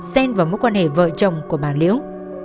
xen vào mối quan hệ vợ chồng của bà liễu